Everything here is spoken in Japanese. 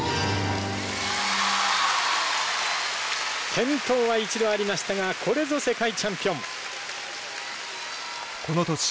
転倒は一度ありましたがこれぞ世界チャンピオン。